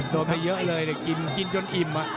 โดนไม่เยอะเลยเดี๋ยวกินจนอิ่ม